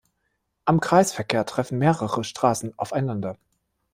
Am Kreisverkehr treffen mehrere Straßen aufeinander.